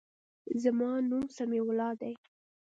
زما نوم سمیع الله دی.